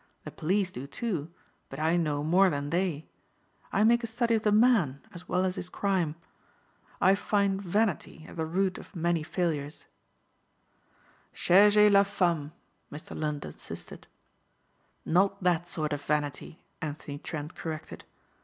The police do too, but I know more than they. I make a study of the man as well as his crime. I find vanity at the root of many failures." "Cherchez la femme," Mr. Lund insisted. "Not that sort of vanity," Anthony Trent corrected.